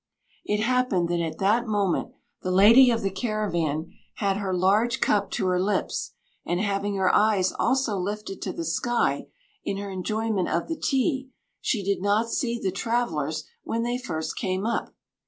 It happened that at that moment the lady of the caravan had her large cup to her lips, and having her eyes also lifted to the sky in her enjoyment of the tea, she did not see the travellers when they first came up.